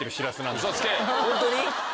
ホントに？